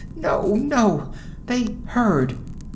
—no, no! They heard!